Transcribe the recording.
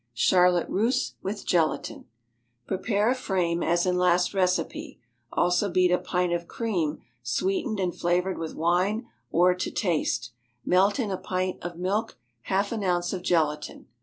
Charlotte Russe with Gelatine. Prepare a frame as in last recipe, also beat a pint of cream sweetened and flavored with wine or to taste; melt in a pint of milk half an ounce of gelatine.